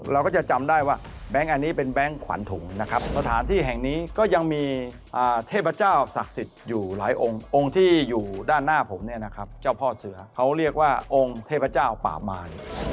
เราก็จะจำได้ว่าแบงค์อันนี้เป็นแบงค์ขวัญถุงนะครับสถานที่แห่งนี้ก็ยังมีเทพเจ้าศักดิ์สิทธิ์อยู่หลายองค์องค์ที่อยู่ด้านหน้าผมเนี่ยนะครับเจ้าพ่อเสือเขาเรียกว่าองค์เทพเจ้าป่ามาร